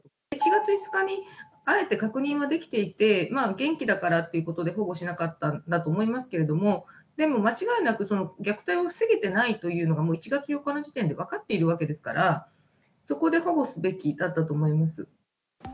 １月５日にあえて確認はできていて元気だからってことで保護しなかったんだと思いますけどでも間違いなく虐待を防げてないというのが１月４日の時点で分かっているわけですからそこで保護すべきだったと思います。